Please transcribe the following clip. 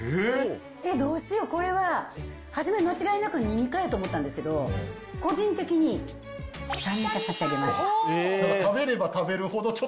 えっ、どうしよう、これは初め間違いなく２ミカやと思ったんですけど、個人的に３ミ食べれば食べるほど、ちょっ